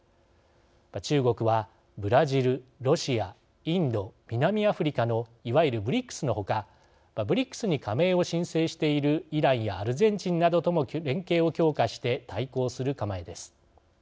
中国は、ブラジル、ロシアインド、南アフリカのいわゆるＢＲＩＣＳのほかＢＲＩＣＳに加盟を申請しているイランやアルゼンチンなどとも連携を強化して対抗する構えです。